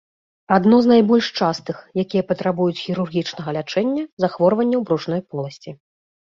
Адно з найбольш частых, якія патрабуюць хірургічнага лячэння, захворванняў брушной поласці.